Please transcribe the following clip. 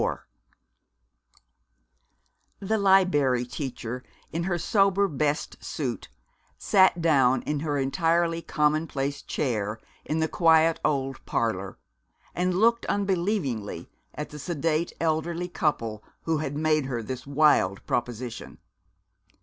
IV The Liberry Teacher, in her sober best suit, sat down in her entirely commonplace chair in the quiet old parlor, and looked unbelievingly at the sedate elderly couple who had made her this wild proposition.